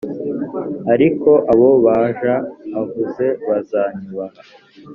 ariko abo baja uvuze bazanyubaha.